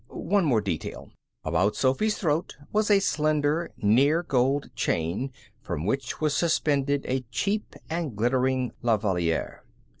One more detail. About Sophy's throat was a slender, near gold chain from which was suspended a cheap and glittering La Valliere.